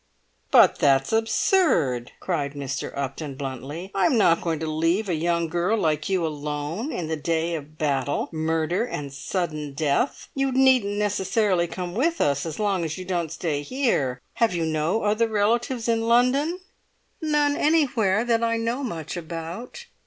"But that's absurd!" cried Mr. Upton bluntly. "I'm not going to leave a young girl like you alone in the day of battle, murder and sudden death! You needn't necessarily come with us, as long as you don't stay here. Have you no other relatives in London?" "None anywhere that I know much about."